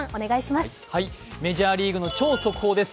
メジャーリーグの超速報です。